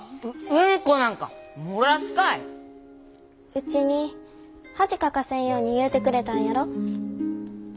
ウチに恥かかせんように言うてくれたんやろ？